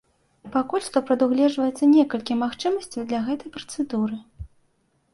Пакуль што прадугледжваецца некалькі магчымасцяў для гэтай працэдуры.